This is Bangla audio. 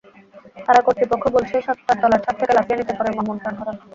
কারা কর্তৃপক্ষ বলছে, চারতলার ছাদ থেকে লাফিয়ে নিচে পড়ে মামুন প্রাণ হারান।